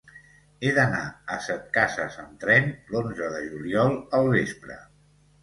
He d'anar a Setcases amb tren l'onze de juliol al vespre.